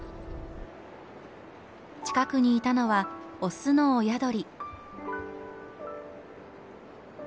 近くにいたのはオスの親鳥。